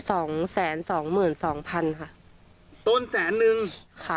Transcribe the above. สองแสนสองหมื่นสองพันค่ะต้นแสนนึงค่ะ